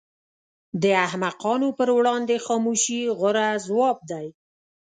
د احمقانو پر وړاندې خاموشي غوره ځواب دی.